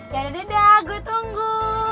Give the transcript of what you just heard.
yaudah idah gue tunggu